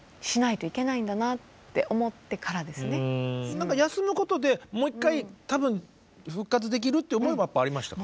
何か休むことでもう一回多分復活できるっていう思いはやっぱありましたか？